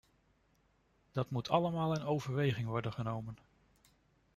Dat moet allemaal in overweging worden genomen.